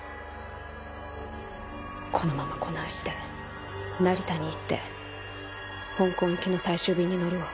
このままこの足で成田に行って香港行きの最終便に乗るわ。